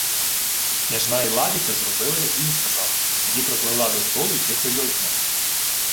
Княжна Іладіка зробила, як він сказав, тоді пропливла до столу й тихо йойкнула: